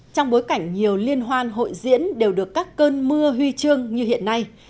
trong bối cảnh nhiều liên hoan hội diễn đều được các cơn mưa huy chương như hiện nay